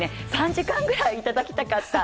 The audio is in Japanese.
３時間ぐらいいただきたかった。